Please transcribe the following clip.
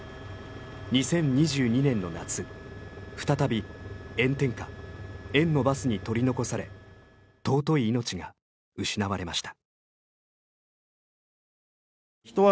２０２２年の夏再び炎天下園のバスに取り残され尊い命が失われました。